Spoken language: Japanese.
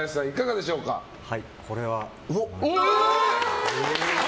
これは、○。